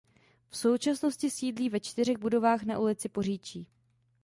V současnosti sídlí ve čtyřech budovách na ulici Poříčí.